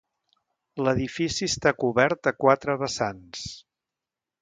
L'edifici està cobert a quatre vessants.